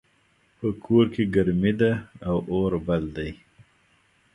په کور کې ګرمي ده او اور بل ده